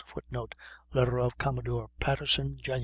[Footnote: Letter of Commodore Patterson, Jan.